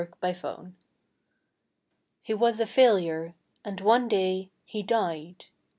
COMPASSION HE was a failure, and one day he died.